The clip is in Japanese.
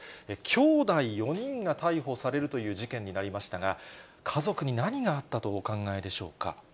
きょうだい４人が逮捕されるという事件になりましたが、家族に何があったとお考えでしょうか。